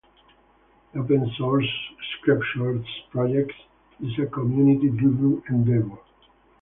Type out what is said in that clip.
The Open Source Scriptures project is a community driven endeavor.